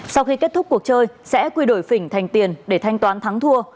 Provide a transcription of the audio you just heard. sau khi kết thúc cuộc chơi sẽ quy đổi phỉnh thành tiền để thanh toán thắng thua